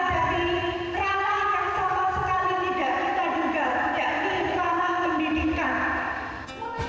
jadi terangkan sama sekali tidak kita juga tidak diperlukan pendidikan